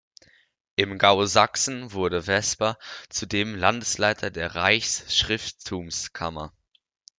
Im Gau Sachsen wurde Vesper zudem Landesleiter der Reichsschrifttumskammer.